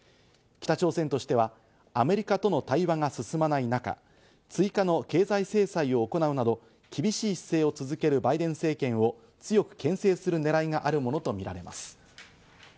北朝鮮としてはアメリカとの対話が進まない中、追加の経済制裁を行うなど厳しい姿勢を続けるバイデン政権を強く牽制する狙いがあるものとみられます。